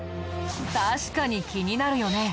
確かに気になるよね。